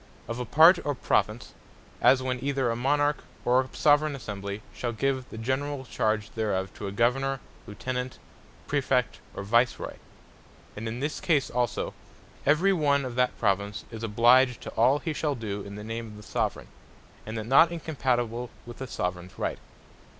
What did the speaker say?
Of a Part, or Province; as when either a Monarch, or a Soveraign Assembly, shall give the generall charge thereof to a Governour, Lieutenant, Praefect, or Vice Roy: And in this case also, every one of that Province, is obliged to all he shall doe in the name of the Soveraign, and that not incompatible with the Soveraigns Right.